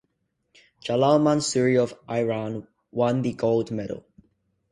Jalal Mansouri of Iran won the gold medal.